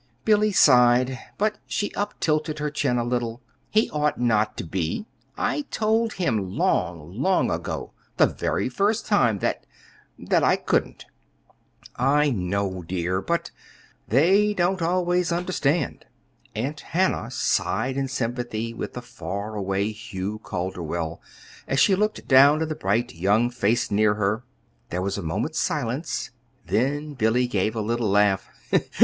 Billy sighed, but she uptilted her chin a little. "He ought not to be. I told him long, long ago, the very first time, that that I couldn't." "I know, dear; but they don't always understand." Aunt Hannah sighed in sympathy with the far away Hugh Calderwell, as she looked down at the bright young face near her. There was a moment's silence; then Billy gave a little laugh.